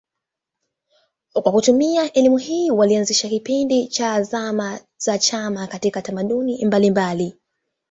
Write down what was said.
Kwa kutumia elimu hii walianzisha kipindi cha zama za chuma katika tamaduni mbalimbali.